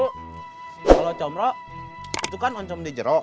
kalau comro itu kan oncom di jeruk